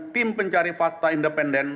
tim pencari fakta independen